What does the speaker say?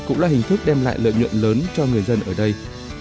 cũng là hình thức đem lại lợi nhuận lớn cho người dân ở đây